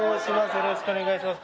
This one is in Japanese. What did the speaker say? よろしくお願いします